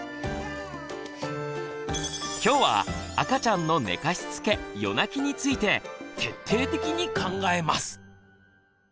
今日は赤ちゃんの「寝かしつけ」「夜泣き」について徹底的に考えます。